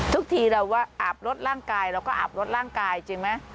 ทุกทีเราว่าอาบรถร่างกายเราก็อาบรถร่างกายจริงไหม